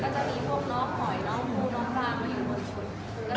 จะมีพวกน้องหอยน้องบูน้องปลามาอยู่บนชุด